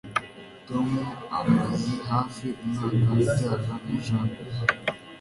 Tom amaze hafi umwaka ajyana na Jane